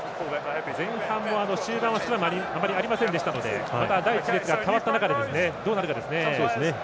前半も終盤はスクラムあまりありませんでしたので第１列が変わった中で、どうなるかですね。